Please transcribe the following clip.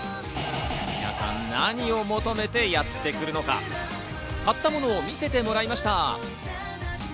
皆さん、何を求めてやってくるのか、買ったものを見せてもらいました。